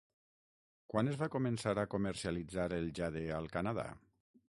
Quan es va començar a comercialitzar el jade al Canadà?